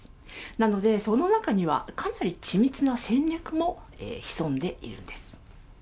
なので、その中には、かなりち密な戦略も潜んでいるんです。